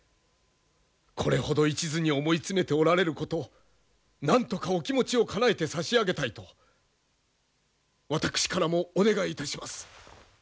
これほどいちずに思い詰めておられることなんとかお気持ちをかなえて差し上げたいと私からもお願いいたします。